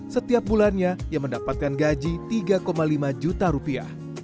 setiap bulannya ia mendapatkan gaji tiga lima juta rupiah